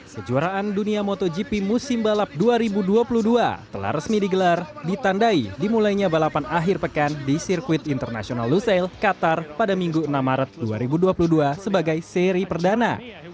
kejuaraan dunia motogp musim balap dua ribu dua puluh dua telah resmi digelar ditandai dimulainya balapan akhir pekan di sirkuit internasional lusail qatar pada minggu enam maret dua ribu dua puluh dua sebagai seri perdana